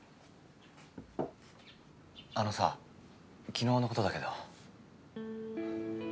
あのさ昨日のことだけど。